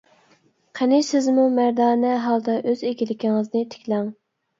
قېنى سىزمۇ مەردانە ھالدا ئۆز ئىگىلىكىڭىزنى تىكلەڭ.